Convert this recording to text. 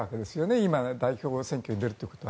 今、代表選挙に出るということは。